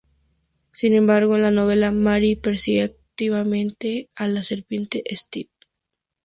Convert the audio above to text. Sin embargo, en la novela Mary persigue activamente a la reticente Stephen.